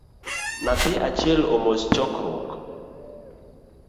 Nyathi achiel omos chokruok